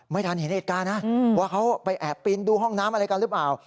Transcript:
ไม่ทันเห็นเหตุการณ์นะว่าเขาไปแอบปีนดูห้องน้ำอะไรกันหรือเปล่า